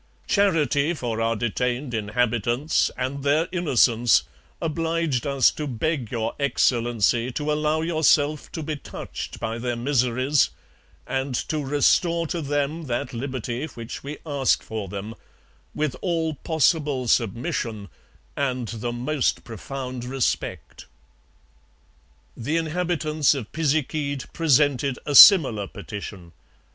Charity for our detained inhabitants, and their innocence, obliged us to beg Your Excellency, to allow yourself to be touched by their miseries, and to restore to them that liberty which we ask for them, with all possible submission and the most profound respect. The inhabitants of Pisiquid presented a similar petition.